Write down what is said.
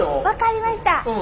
分かりました。